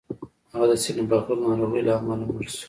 هغه د سینې بغل ناروغۍ له امله مړ شو